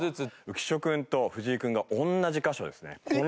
浮所君と藤井君が同じ箇所ですね。